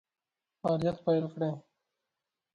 فعالیت پیل کړي.